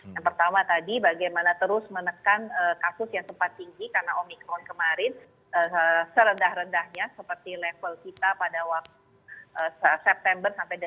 yang pertama tadi bagaimana terus menekan kasus yang sempat tinggi karena omikron kemarin serendah rendahnya seperti level kita pada waktu september sampai desember dua ribu sembilan belas